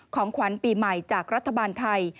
ของขวัญปีใหม่จากรัฐบาลไทย